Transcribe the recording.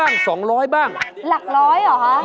กลับไปก่อนเลยนะครับ